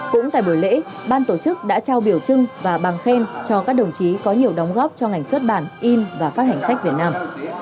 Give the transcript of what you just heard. cũng tại buổi lễ ban tổ chức đã trao biểu trưng và bằng khen cho các đồng chí có nhiều đóng góp cho ngành xuất bản in và phát hành sách việt nam